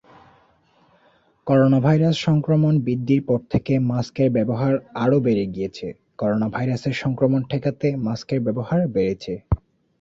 Corona virus সংক্রমণ বৃদ্ধির পর থেকে মাস্ক এর ব্যবহার আরও বেড়ে গিয়েছে, করোনা ভাইরাসের সংক্রমণ ঠেকাতে মাস্ক এর ব্যবহার বেড়েছে।